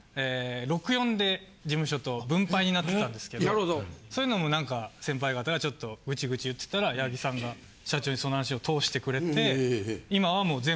事務所と分配になってたんですけどそういうのもなんか先輩方がちょっとぐちぐち言ってたら矢作さんが社長にその話を通してくれて。